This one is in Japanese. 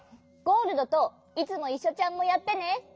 ゴールドといつもいっしょちゃんもやってね！